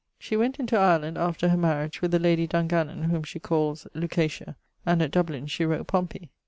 She went into Ireland (after her mariage) with the lady Dungannon (whom she calles Lucatia); and at Dublin she wrote Pompey.